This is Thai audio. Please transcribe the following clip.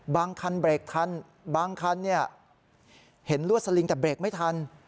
บางคันเบรกทันบางคันเห็นลวดสลิงแต่เบรกไม่ทัน